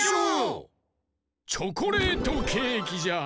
チョコレートケーキじゃ。